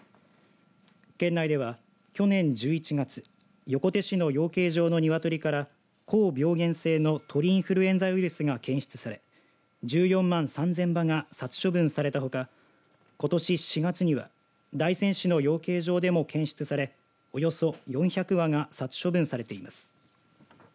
県内では、去年１１月横手市の養鶏場の鶏から高病原性の鳥インフルエンザウイルスが検出され１４万３０００羽が殺処分されたほかことし４月には大仙市の養鶏場場で検出されおよそ４００羽が殺処分されています。